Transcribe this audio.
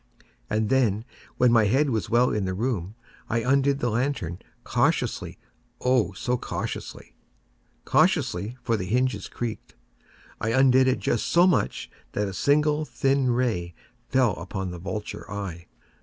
And then, when my head was well in the room, I undid the lantern cautiously—oh, so cautiously—cautiously (for the hinges creaked)—I undid it just so much that a single thin ray fell upon the vulture eye.